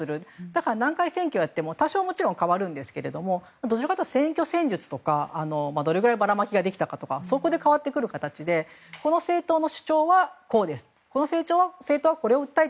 だから何回、選挙をやっても多少はもちろん変わるんですけどどちらかというと選挙戦術とかばらまきができたかとかそこで変わってくる形でこの政党の主張はこうですこちらはこうです。